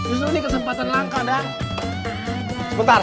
justru ini kesempatan langka dang